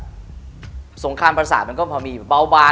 ที่เนี่ยสงคารประศาจมันก็มีเบา